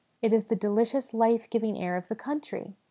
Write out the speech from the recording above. It is the delicious life giving air of the country.